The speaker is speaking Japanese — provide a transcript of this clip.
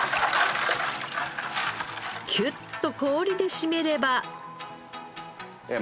キュッと氷でしめれば。